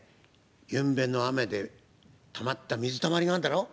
ゆんべの雨で溜まった水溜まりがあるだろう。